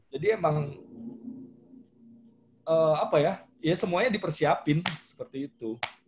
jadi emang apa ya ya semuanya dipersiapin seperti itu